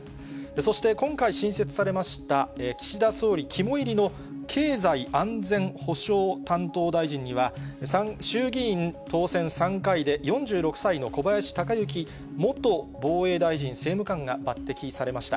そして、今回、新設されました、岸田総理肝煎りの経済安全保障担当大臣には、衆議院当選３回で４６歳の小林鷹之元防衛大臣政務官が抜てきされました。